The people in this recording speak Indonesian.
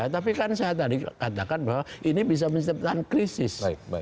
tapi kan saya tadi katakan bahwa ini bisa menciptakan krisis